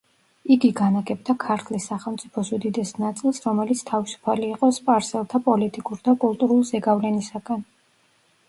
იგი განაგებდა ქართლის სახელმწიფოს უდიდეს ნაწილს, რომელიც თავისუფალი იყო სპარსელთა პოლიტიკურ და კულტურულ ზეგავლენისაგან.